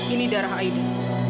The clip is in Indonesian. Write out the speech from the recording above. ini darah aidi